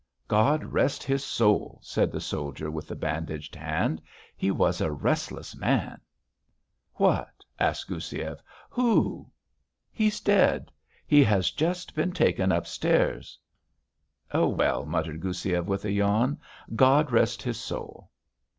"God rest his soul!" said the soldier with the bandaged hand. "He was a restless man." "What?" asked Goussiev. "Who?" "He's dead. He has just been taken up stairs." "Oh, well," muttered Goussiev with a yawn. "God rest his soul."